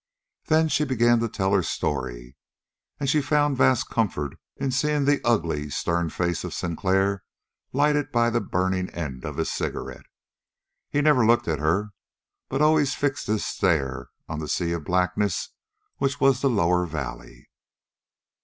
Then she began to tell her story, and she found a vast comfort in seeing the ugly, stern face of Sinclair lighted by the burning end of his cigarette. He never looked at her, but always fixed his stare on the sea of blackness which was the lower valley.